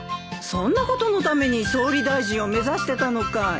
そんなことのために総理大臣を目指してたのかい？